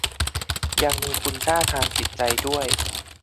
ยังมีคุณค่าทางจิตใจด้วย